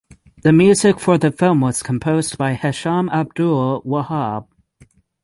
The music for the film was composed by Hesham Abdul Wahab.